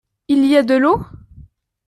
Il y a de l’eau ?